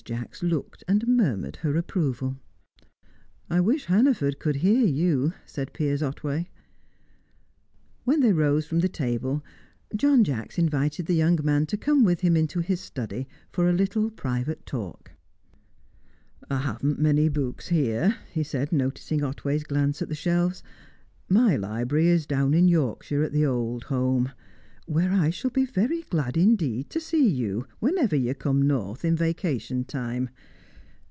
Jacks looked and murmured her approval. "I wish Hannaford could hear you," said Piers Otway. When they rose from the table, John Jacks invited the young man to come with him into his study for a little private talk. "I haven't many books here," he said, noticing Otway's glance at the shelves. "My library is down in Yorkshire, at the old home; where I shall be very glad indeed to see you, whenever you come north in vacation time.